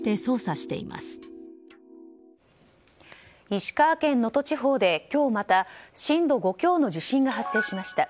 石川県能登地方で今日また震度５強の地震が発生しました。